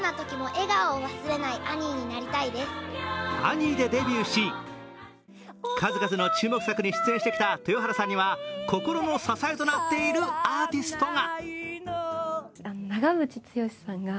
「アニー」でデビューし、数々の注目作に出演してきた豊原さんには心の支えとなっているアーティストが。